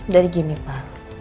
dari gini pak